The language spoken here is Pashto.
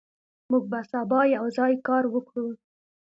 موږ به سبا یوځای کار وکړو.